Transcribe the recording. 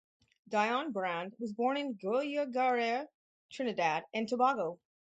Dionne Brand was born in Guayaguayare, Trinidad and Tobago.